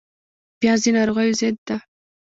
پیاز د ناروغیو ضد ده